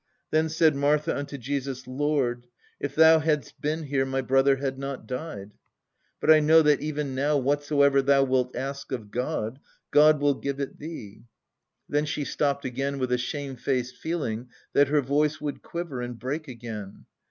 "Then said Martha unto Jesus, Lord, if Thou hadst been here, my brother had not died. "But I know that even now whatsoever Thou wilt ask of God, God will give it Thee...." Then she stopped again with a shamefaced feeling that her voice would quiver and break again.